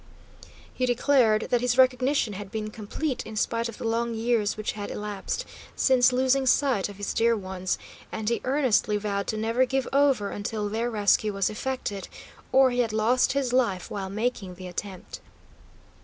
He declared that his recognition had been complete, in spite of the long years which had elapsed since losing sight of his dear ones; and he earnestly vowed to never give over until their rescue was effected, or he had lost his life while making the attempt.